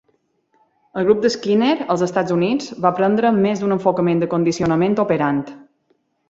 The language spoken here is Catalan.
El grup de Skinner, als Estats Units, va prendre més d'un enfocament de condicionament operant.